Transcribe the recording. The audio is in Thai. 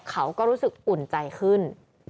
เขาก็รู้สึกอุ่นใจขึ้น